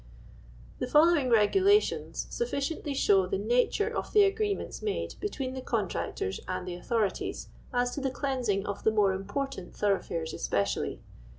The following regulations sufficiently show the nature of the agreements made between the con tractors and the authorities as to the cleansing of the more important thoroughfares especially.